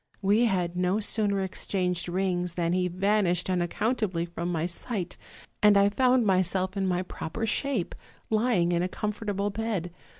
We had no sooner exchanged rings than he vanished un accountably from my sigh ; and I found myself in my proper shape, lying in a comfortable bed.